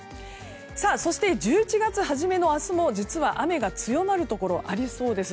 そして１１月初めの明日も実は雨が強まるところありそうです。